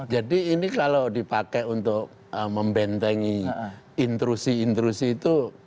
jadi ini kalau dipakai untuk membentengi intrusi intrusi itu